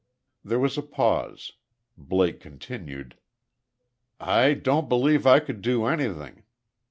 There was a pause; Blake continued: "I don't believe I could do anything.